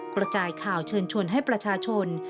กระจายข่าวเชิญชวนให้ประชาชน